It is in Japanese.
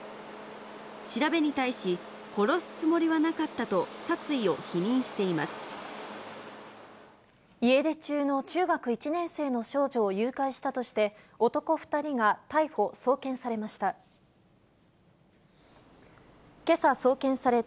調べに対し、殺すつもりはなかっ家出中の中学１年生の少女を誘拐したとして、男２人が逮捕・送検されました。